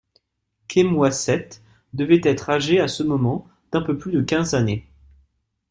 Khâemouaset devait être âgé à ce moment d'un peu plus de quinze années.